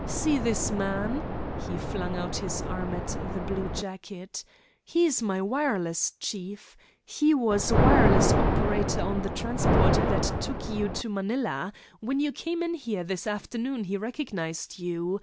See this man?" He flung out his arm at the bluejacket. "He's my wireless chief. He was wireless operator on the transport that took you to Manila. When you came in here this afternoon he recognized you.